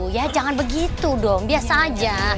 ya jangan begitu dong biasa aja